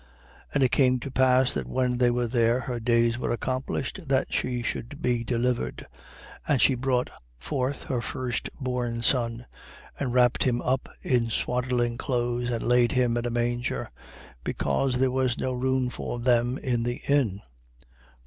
2:6. And it came to pass that when they were there, her days were accomplished that she should be delivered. 2:7. And she brought forth her first born son and wrapped him up in swaddling clothes and laid him in a manger: because there was no room for them in the inn.